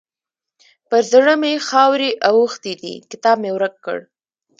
پر زړه مې خاورې اوښتې دي؛ کتاب مې ورک کړ.